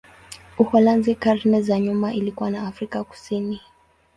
Uholanzi karne za nyuma ilikuwa na Afrika Kusini.